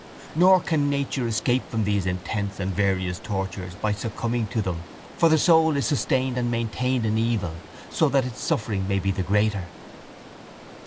Nor can nature escape from these intense and various tortures by succumbing to them for the soul is sustained and maintained in evil so that its suffering may be the greater.